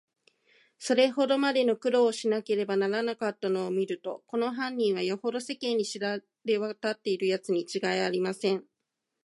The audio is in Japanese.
それほどまでの苦労をしなければならなかったのをみると、この犯人は、よほど世間に知れわたっているやつにちがいありません。